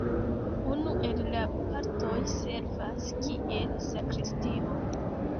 Unu el la partoj servas kiel sakristio.